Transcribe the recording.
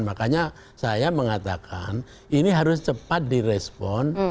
makanya saya mengatakan ini harus cepat direspon